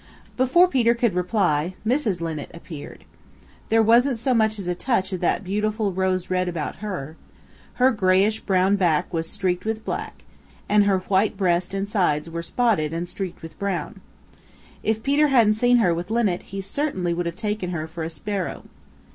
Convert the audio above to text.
Before Peter could reply, Mrs. Linnet appeared. There wasn't so much as a touch of that beautiful rose red about her. Her grayish brown back was streaked with black, and her white breast and sides were spotted and streaked with brown. If Peter hadn't seen her with Linnet he certainly would have taken her for a Sparrow.